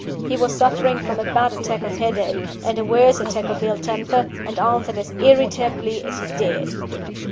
He was suffering from a bad attack of headache, and a worse attack of ill temper, and answered as irritably as he dared.